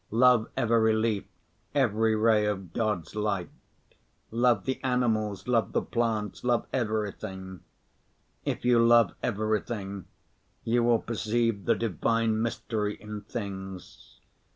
Love every leaf, every ray of God's light. Love the animals, love the plants, love everything. If you love everything, you will perceive the divine mystery in things.